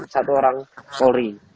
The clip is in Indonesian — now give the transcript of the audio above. satu orang polri